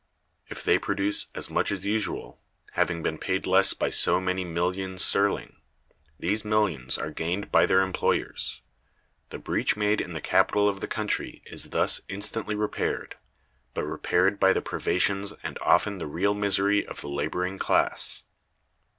If they produce as much as usual, having been paid less by so many millions sterling, these millions are gained by their employers. The breach made in the capital of the country is thus instantly repaired, but repaired by the privations and often the real misery of the laboring class.